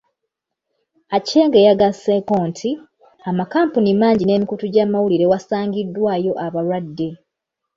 Aceng yagasseeko nti, amakampuni mangi n’emikutu gy’amawulire wasangiddwayo abalwadde.